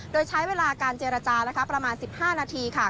โดยใช้เวลาการเจรจานะคะประมาณ๑๕นาทีค่ะ